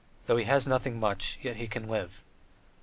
Though he has nothing much, yet he can live.